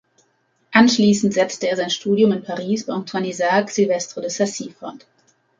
Anschließend setzte er sein Studium in Paris bei Antoine-Isaac Silvestre de Sacy fort.